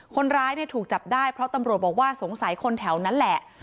คนร้ายถูกจับได้เพราะตำรวจบอกว่าสงสัยคนแถวนั้นแหละ